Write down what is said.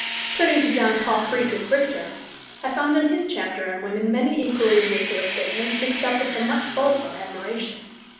Turning to John Paul Friedrich Richter, I found in his chapter on woman many equally ridiculous statements mixed up with much fulsome admiration.